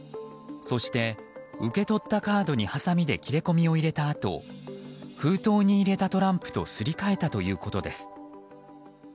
そして受け取ったカードにハサミで切れ込みを入れたあと封筒に入れたトランプとすり替えたということです。